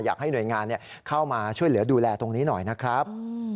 อยากให้หน่วยงานเข้ามาช่วยเหลือดูแลตรงนี้หน่อยนะครับ